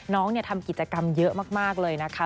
น้องทำกิจกรรมเยอะมากเลยนะคะ